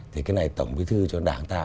thì cái này tổng bí thư cho đảng ta